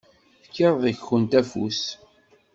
Fkiɣ deg-kent afus.